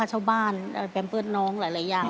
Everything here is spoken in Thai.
ค่าเช่าบ้านแบมเฟิร์ซน้องหลายอย่าง